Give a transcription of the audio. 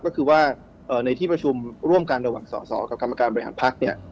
ก็คือว่าในที่ประชุมร่วมกันระหว่างสอสอกับกรรมการบริหารพักเนี่ย